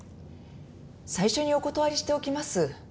最初にお断りしておきます。